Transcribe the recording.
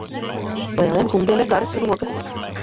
Lieliem kungiem ir garas rokas.